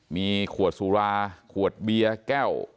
มีขวดสุราขวดเบียร์แก้ว